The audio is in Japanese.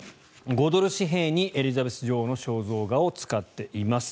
５ドル紙幣にエリザベス女王の肖像画を使っています。